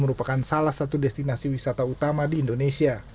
merupakan salah satu destinasi wisata utama di indonesia